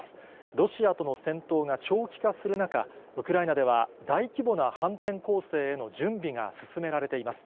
ロシアとの戦闘が長期化する中、ウクライナでは、大規模な反転攻勢への準備が進められています。